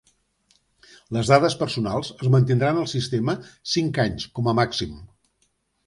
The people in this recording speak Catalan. Les dades personals es mantindran en el sistema cinc anys, com a màxim.